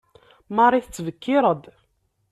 Marie tettbekkiṛ-d.